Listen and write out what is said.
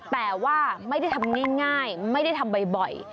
แต่ว่าไม่ได้ทำง่ายไม่ได้ทำบ่อย